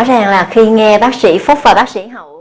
rõ ràng là khi nghe bác sĩ phúc và bác sĩ hậu